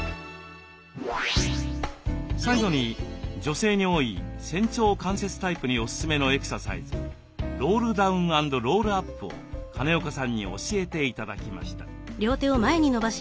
最後に女性に多い仙腸関節タイプにおすすめのエクササイズロールダウン＆ロールアップを金岡さんに教えて頂きました。